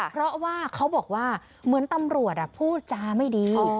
เพราะว่าเขาบอกว่าเหมือนตำรวจพูดจาไม่ดี